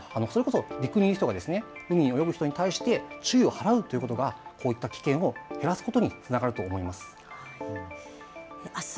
陸にいる人が海で泳ぐ人に注意を払うということが、こういった危険を減らすことにつながると思います。